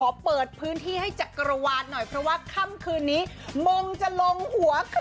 เปิดพื้นที่ให้จักรวาลหน่อยเพราะว่าค่ำคืนนี้มงจะลงหัวค่ะ